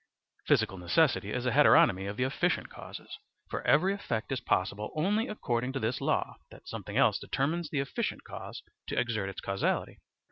Physical necessity is a heteronomy of the efficient causes, for every effect is possible only according to this law, that something else determines the efficient cause to exert its causality.